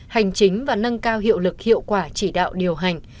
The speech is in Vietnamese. hành chính và nâng cao hiệu lực hiệu quả chỉ đạo điều hành